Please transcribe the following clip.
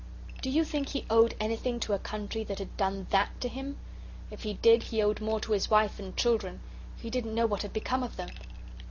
"Do you think he owed anything to a country that had done THAT to him? If he did, he owed more to his wife and children. He didn't know what had become of them."